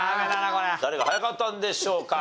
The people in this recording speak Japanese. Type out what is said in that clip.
誰が早かったんでしょうか？